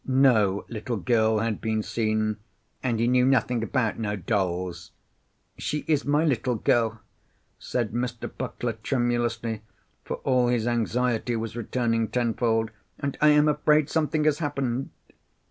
No little girl had been seen, and he knew "nothing about no dolls." "She is my little girl," said Mr. Puckler tremulously, for all his anxiety was returning tenfold, "and I am afraid something has happened."